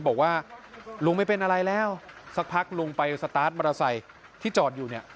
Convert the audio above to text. บอกว่าลุงไม่เป็นอะไรแล้วสักพักลุงไปสตาร์ทมอเตอร์ไซค์ที่จอดอยู่เนี่ย